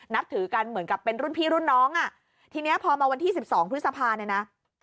นับถือกันเหมือนกับเป็นรุ่นพี่รุ่นน้องอ่ะทีนี้พอมาวันที่สิบสองพฤษภาเนี่ยนะ